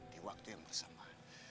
di waktu yang bersama